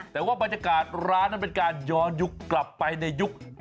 แต่ว่าบรรยากาศร้านนั้นเป็นการย้อนยุคกลับไปในยุค